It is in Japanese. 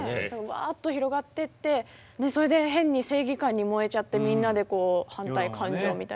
わっと広がってってそれで変に正義感に燃えちゃってみんなで反対感情みたいになっちゃう。